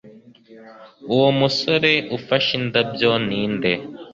Uwo mugore ufashe indabyo ninde